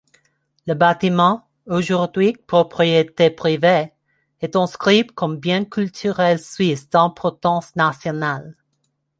Le bâtiment, aujourd'hui propriété privée, est inscrit comme bien culturel suisse d'importance nationale.